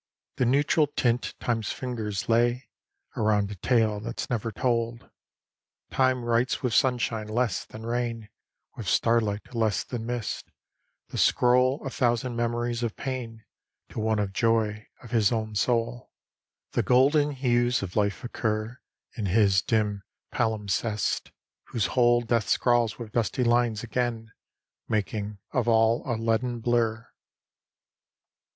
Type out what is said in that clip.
The neutral tint Time's fingers lay Around a tale that's never told. Time writes with sunshine less than rain, With starlight less than mist, the scroll A thousand memories of pain To one of joy of his own soul: The golden hues of life occur In his dim palimpsest, whose whole Death scrawls with dusty lines again, Making of all a leaden blur.